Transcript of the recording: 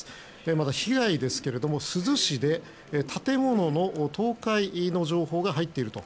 また、被害ですが珠洲市で建物の倒壊の情報が入っていると。